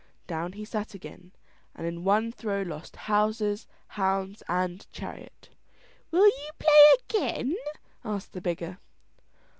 Down he sat again, and in one throw lost houses, hounds, and chariot. "Will you play again?" asked the beggar.